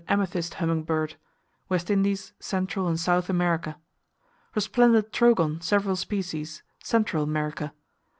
Amethyst Hummingbird West Indies, Cent, and S. America. Resplendent Trogon, several species Central America.